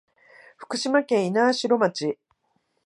福島県猪苗代町